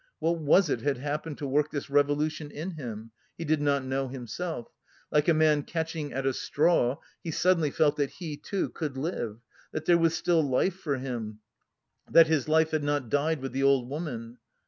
What was it had happened to work this revolution in him? He did not know himself; like a man catching at a straw, he suddenly felt that he, too, 'could live, that there was still life for him, that his life had not died with the old woman.